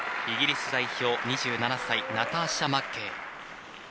イギリス代表、２７歳のナターシャ・マッケイ。